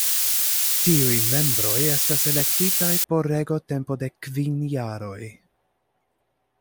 Tiuj membroj estas elektitaj por regotempo de kvin jaroj.